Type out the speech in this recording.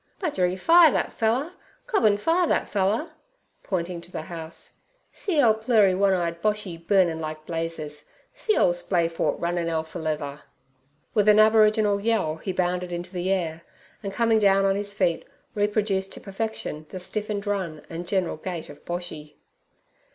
'Budgeree fire that feller, cobbon fire that feller,' pointing to the house. 'See ole plurry one eye Boshy burnin' like blazes! See old splay foot runnin 'ell for leather!' With an aboriginal yell he bounded into the air, and coming down on his feet reproduced to perfection the stiffened run and general gait of Boshy.